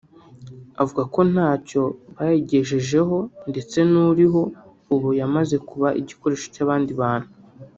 avuga ko ntacyo bayigejejeho ndetse n’uriho ubu ngo yamaze kuba igikoresho cy’abandi bantu